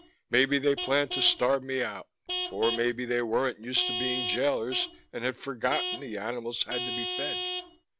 Maybe they planned to starve me out; or maybe they weren't used to being jailers and had forgotten the animals had to be fed.